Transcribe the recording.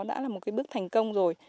đã là một bước thành công rồi